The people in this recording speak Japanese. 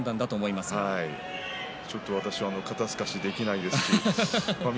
ちょっと私は肩すかしはできないですし翠